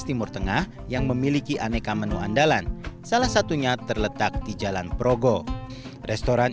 timur tengah yang memiliki aneka menu andalan salah satunya terletak di jalan progo restoran